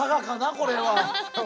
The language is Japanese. これは。